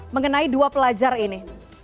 mengenai dua pelajar ini